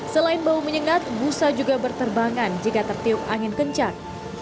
selain bau menyengat busa juga berterbangan jika tertiup angin kencang